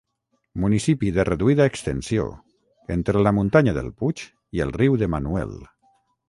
Municipi de reduïda extensió, entre la muntanya del Puig i el riu de Manuel.